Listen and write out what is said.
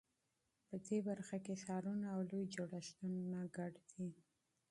په دې برخه کې ښارونه او لوی جوړښتونه شامل دي.